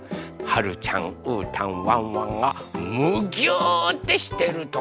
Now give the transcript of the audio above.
はるちゃんうーたんワンワンがむぎゅーってしてるところです。